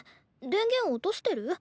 電源落としてる？